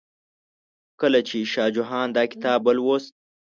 کله چې شاه جهان دا کتاب ولوست.